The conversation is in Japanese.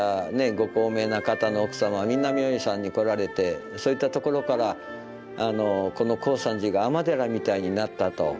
ご高名な方の奥様はみんな明恵さんに来られてそういったところからこの高山寺が尼寺みたいになったと。